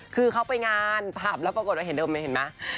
คือเขาไปงานพราบแล้วปรากฏว่าเห็นเดิมมันเห็นมั้ย